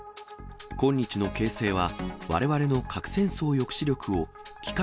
今日の形勢は、われわれの核戦争抑止力を幾何